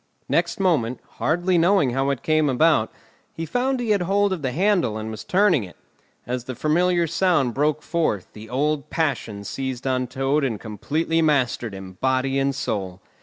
Next moment, hardly knowing how it came about, he found he had hold of the handle and was turning it. As the familiar sound broke forth, the old passion seized on Toad and completely mastered him, body and soul.